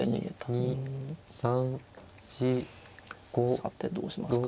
さてどうしますか。